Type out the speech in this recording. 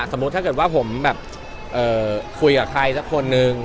ถ้าเกิดว่าผมแบบคุยกับใครสักคนนึง